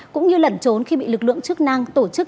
cũng như lẩn trốn khi bị lực lượng chức năng tổ chức